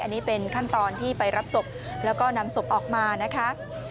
อันนี้เป็นขั้นตอนที่ไปรับศพแล้วก็นำศพออกมานะคะ